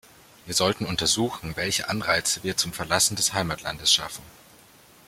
Wir sollten untersuchen, welche Anreize wir zum Verlassen des Heimatlandes schaffen.